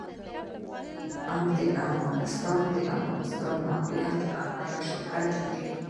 افغانستان د د افغانستان د موقعیت له امله شهرت لري.